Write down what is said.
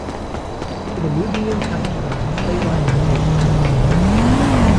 In a moving encounter the playwright forgave the pilot.